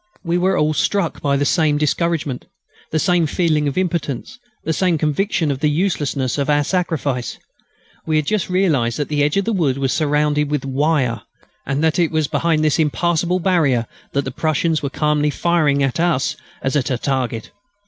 We were all struck by the same discouragement, the same feeling of impotence, the same conviction of the uselessness of our sacrifice. We had just realised that the edge of the wood was surrounded with wire, and that it was behind this impassable barrier that the Prussians were calmly firing at us as at a target.